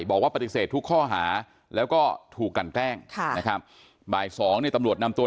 บอกว่าปฏิเสธทุกข้อหาแล้วก็ถูกกันแกล้งค่ะนะครับบ่ายสองเนี่ยตำรวจนำตัว